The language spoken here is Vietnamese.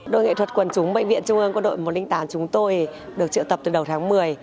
đội nghệ thuật quần chúng bệnh viện trung ương quân đội một trăm linh tám chúng tôi được triệu tập từ đầu tháng một mươi